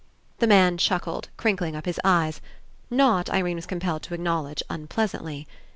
The man chuckled, crinkling up his eyes, not, Irene was compelled to acknowledge, un pleasantly.